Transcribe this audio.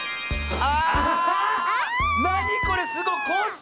あ！